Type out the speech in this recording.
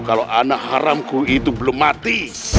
kalau anak haramku itu belum mati